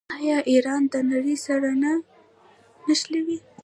آیا ایران د نړۍ سره نه نښلوي؟